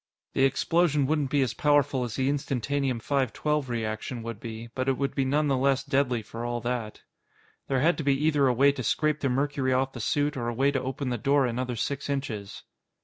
The explosion wouldn't be as powerful as the Instantanium 512 reaction would be, but it would be none the less deadly for all that. There had to be either a way to scrape the mercury off the suit or a way to open the door another six inches.